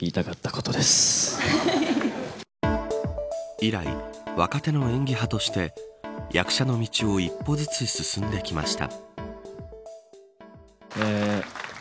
以来、若手の演技派として役者の道を一歩ずつ進んできました。